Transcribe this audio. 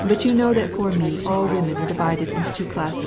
You know to me all women are divided into two classes